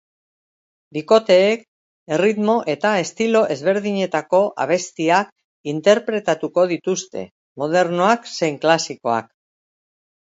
Bikoteek erritmo eta estilo ezberdinetako abestiak interpretatuko dituzte, modernoak zein klasikoak.